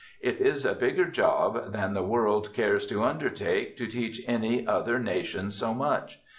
It is a bigger job than the world cares to undertake to teach any other nation so much.